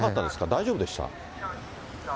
大丈夫でした？